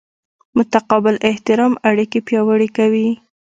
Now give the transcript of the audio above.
متقابل احترام اړیکې پیاوړې کوي.